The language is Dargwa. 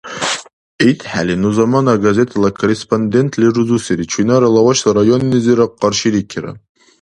ИтхӀели ну Замана газетала корреспондентли рузусири, чуйнара Лавашала районнизирра къарширикира.